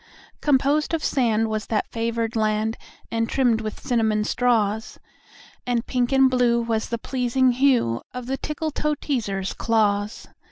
Composed of sand was that favored land, And trimmed with cinnamon straws; And pink and blue was the pleasing hue Of the Tickletoeteaser's claws.